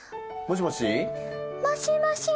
「もしもし」